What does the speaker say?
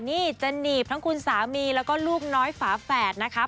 นี่จะหนีบทั้งคุณสามีแล้วก็ลูกน้อยฝาแฝดนะคะ